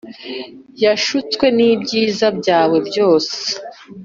yashutswe nibyiza byawe byose